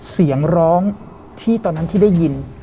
เสียงร้องที่ตอนนั้นที่ได้ยิน